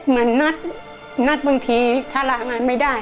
มันนัดนัดบางทีทาราบงานไม่ได้